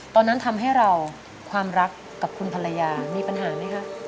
ตอนนั้นทำให้เราความรักกับคุณภรรยามีปัญหาไหมครับ